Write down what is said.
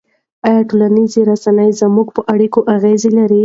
آیا ټولنیزې رسنۍ زموږ په اړیکو اغېز لري؟